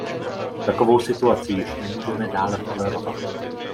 Takovou situaci již nemůžeme dále tolerovat.